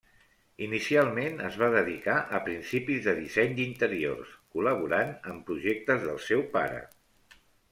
Inicialment es va dedicar a principis de disseny d'interiors, col·laborant en projectes del seu pare.